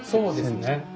そうですね。